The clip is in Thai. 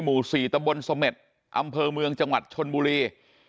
หมู่๔ตะบนเสม็ดอำเภอเมืองจังหวัดชนบุรี